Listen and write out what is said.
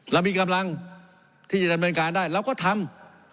เรามีกำลังที่จะดำเนินการได้เราก็ทำ